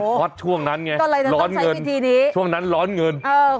จะท็อตช่วงนั้นไงร้อนเงินช่วงนั้นล้อนเงินล้อเงิน